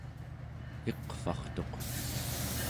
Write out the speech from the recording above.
iqvartuq